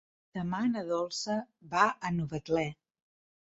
Demà na Dolça va a Novetlè.